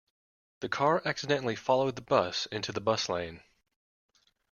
The car accidentally followed the bus into the bus lane.